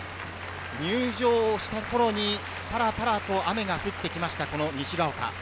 入場した頃にパラパラと雨が降ってきました、西が丘。